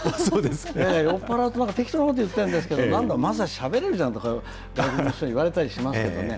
酔っぱらうとなんか適当なこと言ってるんですけど、なんだ、まさししゃべれるじゃんって、外国の人に言われたりしますからね。